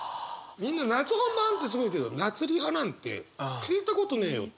みんな「夏本番」ってすごい言うけど「夏リハ」なんて聞いたことねえよっていつも思ってた。